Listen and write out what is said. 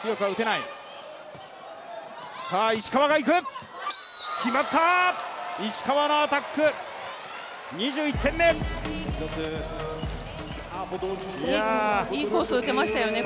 いいコースに打てましたよね。